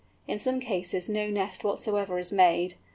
In some cases no nest whatever is made.